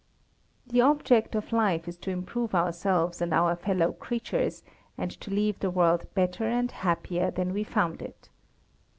The object of life is to improve ourselves and our fellow creatures, and to leave the world better and happier than we found it.